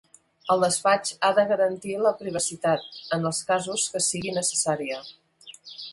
El despatx ha de garantir la privacitat, en els casos que sigui necessària.